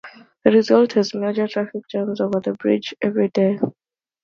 The result is major traffic jams over the bridge every day.